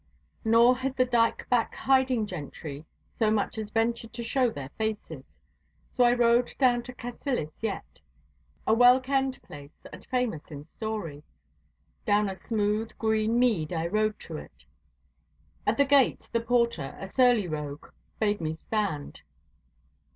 Nor had the dyke back hiding gentry so much as ventured to show their faces. So I rode down to Cassillis yett, a well kenned place and famous in story. Down a smooth, green mead I rode to it. At the gate the porter, a surly rogue, bade me stand.